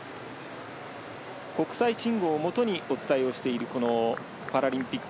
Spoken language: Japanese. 国際信号をもとにお伝えしているパラリンピック